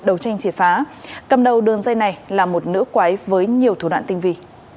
đấu tranh triệt phá cầm đầu đường dây này là một nữ quái với nhiều thủ đoạn tinh vi